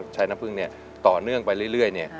ใช้น้ำผึ้งเนี่ยต่อเนื่องไปเรื่อย